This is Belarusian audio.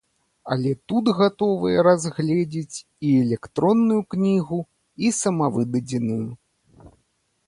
Але тут гатовыя разгледзіць і электронную кнігу, і самавыдадзеную.